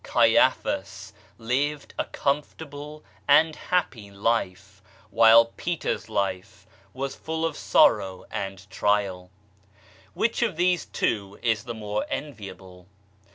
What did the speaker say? Caiaphas lived a comfortable and happy life while Peter's life was full of sorrow and trial ; which of these BEAUTY IN DIVERSITY 45 two is ttie more enviable